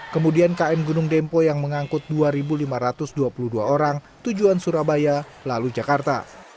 kemudian km gunung dempo yang mengangkut dua lima ratus dua puluh dua orang tujuan surabaya lalu jakarta